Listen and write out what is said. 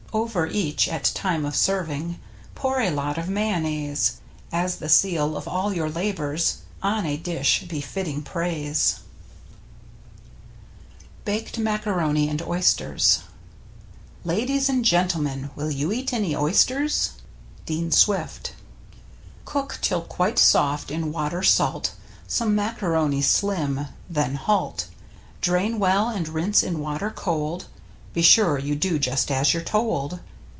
Over each, at time of serving, Pour a lot of mayonnaise. As the seal of all your labors On a dish befitting praise. 5/ ilJifiwtti Mmiptu \fi BAKED MACARONI AND OYS TERS Ladies and Gentlemen, will you eat any oysters? — Dean Swift. Cook till quite soft in water salt Some macaroni slim — then halt! Drain well, and rinse in water cold — (Be sure you do just as you're told).